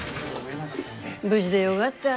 無事でよがった。